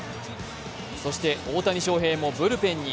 そして大谷翔平もブルペンに。